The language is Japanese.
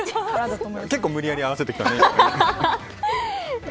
結構、無理やり合わせてきたね。